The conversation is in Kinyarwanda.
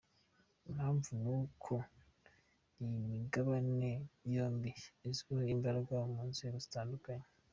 Impamvu ni uko iyi migabane yombi izwiho imbaraga mu nzego zitandukanye.